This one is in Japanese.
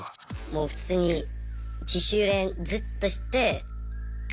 もう普通に自主練ずっとして学校行くとか。